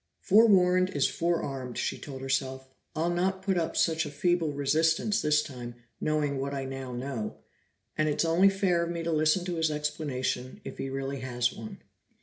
"Forewarned is fore armed," she told herself. "I'll not put up such a feeble resistance this time, knowing what I now know. And it's only fair of me to listen to his explanation, if he really has one."